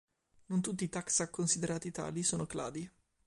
Non tutti i taxa considerati tali sono cladi.